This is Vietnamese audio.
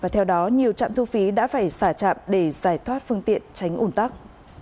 theo đó nhiều trạm thu phí đã phải xả trạm để giải thoát phương tiện tránh ủn tắc